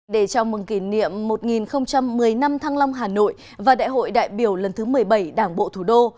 để chào mừng kỷ niệm một nghìn một mươi năm thăng long hà nội và đại hội đại biểu lần thứ một mươi bảy đảng bộ thủ đô